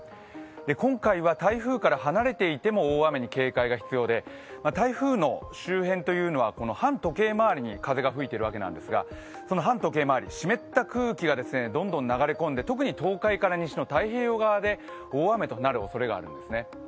今回は台風から離れていても大雨に警戒が必要で台風の周辺というのは反時計回りに風が吹いているわけですがその反時計回り、湿った空気がどんどん流れ込んで特に東海から西の太平洋側で大雨となるおそれがあるんですね。